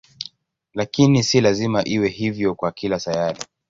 Lakini si lazima iwe hivyo kwa kila sayari.